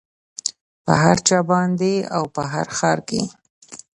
په هر چا باندې او په هر ښار کې